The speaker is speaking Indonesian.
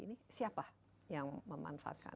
ini siapa yang memanfaatkan